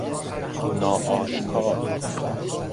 ناآشکار